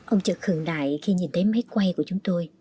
ông trực hưởng đại khi nhìn thấy máy quay của chúng tôi